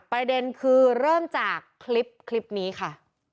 ประเด็นคือเริ่มจากคลิปนี้ค่ะ